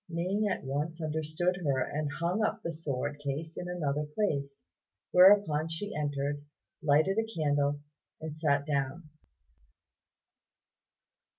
Ning at once understood her, and hung up the sword case in another place; whereupon she entered, lighted a candle, and sat down.